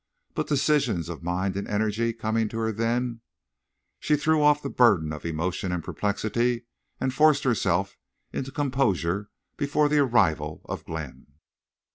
But decision of mind and energy coming to her then, she threw off the burden of emotion and perplexity, and forced herself into composure before the arrival of Glenn.